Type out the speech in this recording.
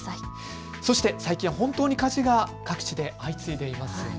そして最近は本当に火事が各地で相次いでいますよね。